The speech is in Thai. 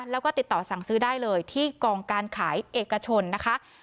แล้วก็ติดต่อสั่งซื้อได้เลยที่กองการขายเอกชนนะคะ